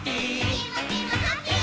きもちもハッピー。